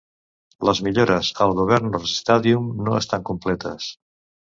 Les millores al Governors Stadium no estan completes.